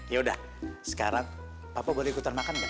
yaudah sekarang papa boleh ikutan makan gak